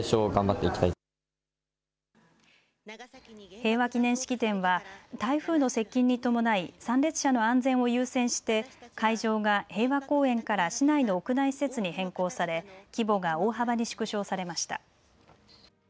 平和祈念式典は台風の接近に伴い参列者の安全を優先して会場が平和公園から市内の屋内施設に変更され規模が大幅に縮小されました。